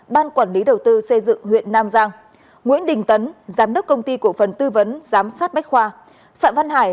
ban quản lý đầu tư xây dựng huyện nam giang nguyễn đình tấn giám đốc công ty cổ phần tư vấn giám sát bách khoa phạm văn hải